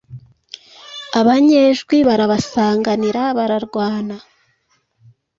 Abanyejwi barabasanganira bararwana